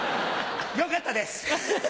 よかったです。